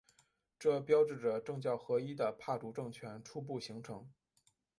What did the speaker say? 这标志着政教合一的帕竹政权初步形成。